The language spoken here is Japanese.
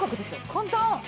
簡単！